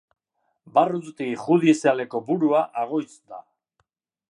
Barruti judizialeko burua Agoitz da.